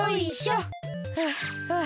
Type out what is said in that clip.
はあはあ。